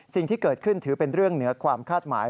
สิ่งที่เกิดขึ้นถือเป็นเรื่องเหนือความคาดหมาย